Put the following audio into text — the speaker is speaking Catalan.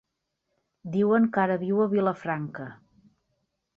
Diuen que ara viu a Vilafranca.